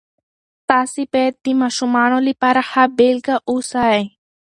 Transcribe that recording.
تاسې باید د ماشومانو لپاره ښه بیلګه اوسئ.